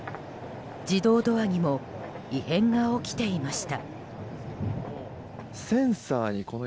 自動ドアにも異変が起きていました。